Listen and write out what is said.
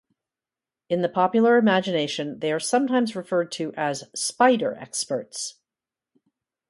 In the popular imagination they are sometimes referred to as 'spider experts'.